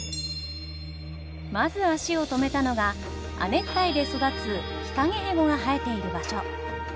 まず足を止めたのが亜熱帯で育つヒカゲヘゴが生えている場所。